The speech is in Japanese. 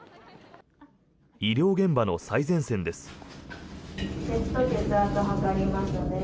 医療現場の最前線です。